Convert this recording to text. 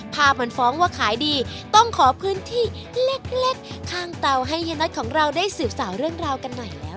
ภาพมันฟ้องว่าขายดีต้องขอพื้นที่เล็กข้างเตาให้เฮียน็อตของเราได้สืบสาวเรื่องราวกันหน่อยแล้ว